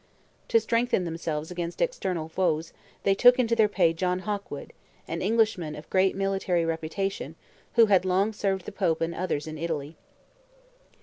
To strengthen themselves against external foes, they took into their pay John Hawkwood, an Englishman of great military reputation, who had long served the pope and others in Italy.